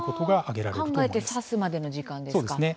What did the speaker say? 考えて指すまでの時間ですか？